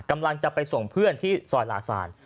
กำลังจะไปส่งเพื่อนที่ซอยลาซาน